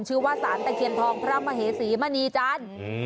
ชื่อว่าสารตะเคียนทองพระมเหสีมณีจันทร์